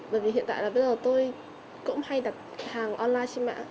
bởi vì hiện tại là bây giờ tôi cũng hay đặt hàng online trên mạng